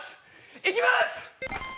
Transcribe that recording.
いきます！